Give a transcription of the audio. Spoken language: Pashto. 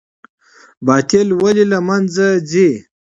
باطل ولې له منځه ځي؟